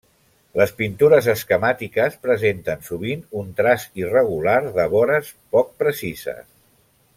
Les pintures esquemàtiques presenten sovint un traç irregular de vores poc precises.